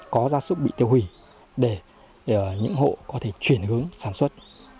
có gia súc bị tiêu hủy để những hộ có thể chuyển hướng sản xuất